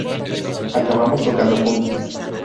Acabamos tocando juntos.